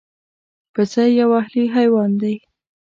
پسه یو اهلي حیوان دی.